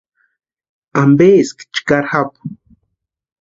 ¿Ampeeski chkari japu?